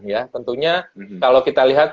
ya tentunya kalau kita lihat